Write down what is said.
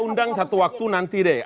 undang satu waktu nanti deh